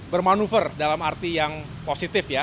bermanuver dalam arti yang positif ya